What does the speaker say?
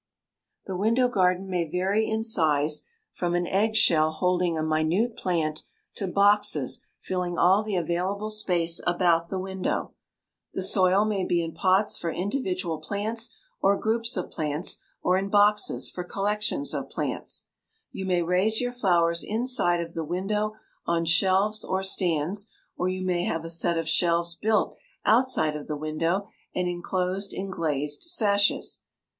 The window garden may vary in size from an eggshell holding a minute plant to boxes filling all the available space about the window. The soil may be in pots for individual plants or groups of plants or in boxes for collections of plants. You may raise your flowers inside of the window on shelves or stands, or you may have a set of shelves built outside of the window and inclosed in glazed sashes.